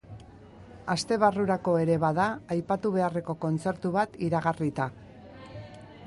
Aste barrurako ere bada aipatu beharreko kontzertu bat iragarrita.